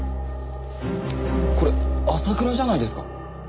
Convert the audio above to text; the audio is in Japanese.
これ朝倉じゃないですか。